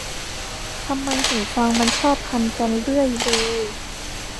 ทำไมหูฟังมันชอบพันกันเรื่อยเลย